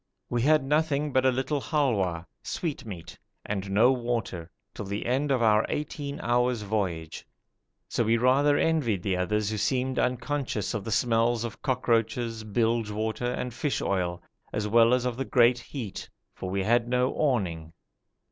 We had nothing but a little halwa (a sweetmeat) and no water, till the end of our eighteen hours' voyage, so we rather envied the others who seemed unconscious of the smells of cockroaches, bilge water, and fish oil, as well as of the great heat, for we had no awning.